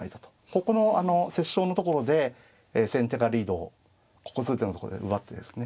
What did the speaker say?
ここのあの折衝のところで先手がリードをここ数手のところで奪ってですね